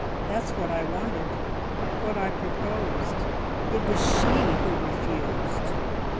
That's what I wanted ... what I proposed. It was she who refused.